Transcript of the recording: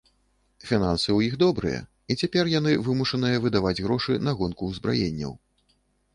Фінансы ў іх добрыя, і цяпер яны вымушаныя выдаваць грошы на гонку ўзбраенняў.